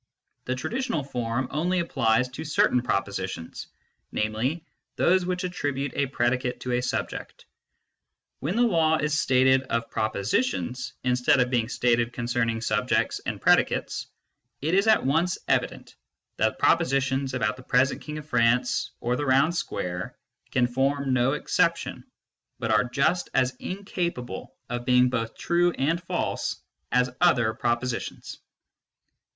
The traditional form only applies to certain propositions, namely, to those which attribute a predicate to a subject. When the law is stated of propositions, instead of being stated concern ing subjects and predicates, it is at once evident that propositions about the present King of France or the round square can form no exception, but are just as in capable of being both true and false as other propositions.